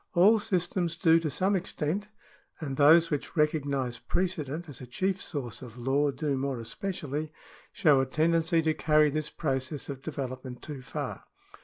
All systems do to some extent, and those which recognise precedent as a chief source of law do more especially, show a tendency to carry this process of development too far.